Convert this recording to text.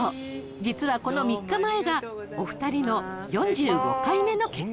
実はこの３日前がお二人の４５回目の結婚